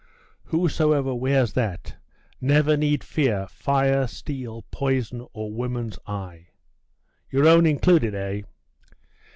Whosoever wears that never need fear fire, steel, poison, or woman's eye.' 'Your own included, eh?